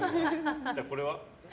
じゃあ、これは？